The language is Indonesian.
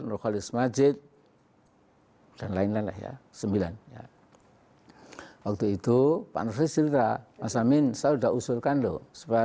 nurkholis masjid dan lain lain ya sembilan waktu itu pak nurkholis masamin sudah usurkan loh sebuah